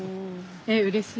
えっうれしい。